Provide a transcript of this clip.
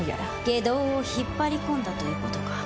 外道を引っ張り込んだということか。